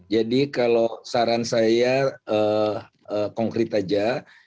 jadi kalau saran saya konkret saja